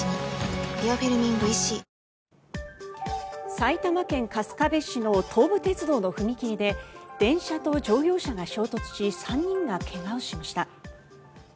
埼玉県春日部市の東武鉄道の踏切で電車と乗用車が衝突し３人が怪我をしました。